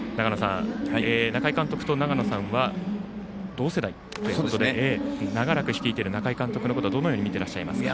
中井監督と長野さんは同世代ということで長らく率いている中井監督のことはどんなふうに見ていますか？